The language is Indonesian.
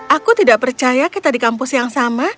aku tidak percaya kita di kampus yang sama